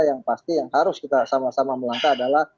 yang pasti yang harus kita sama sama melangkah adalah